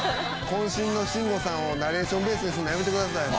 「渾身の慎吾さんをナレーションベースにするのやめてくださいよ」